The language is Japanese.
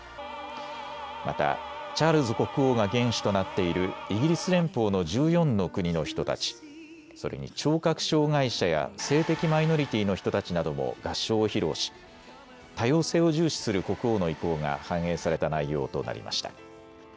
またチャールズ国王が元首となっているイギリス連邦の１４の国の人たち、それに聴覚障害者や性的マイノリティーの人たちなども合唱を披露し多様性を重視する国王の意向が反映された内容となりました。